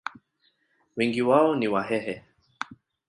Wengi wao ni Wahehe.